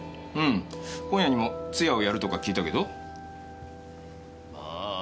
今夜にも通夜をやるとか聞いたけど。